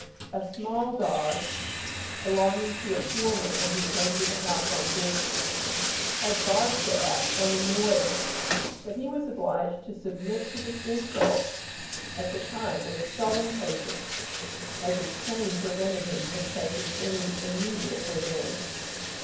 A small dog, belonging to a poor man who came to the house on business, had barked at and annoyed him, but he was obliged to submit to the insult at the time with sullen patience, as his chain prevented him from taking any immediate revenge.